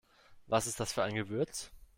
Was ist das für ein Gewürz?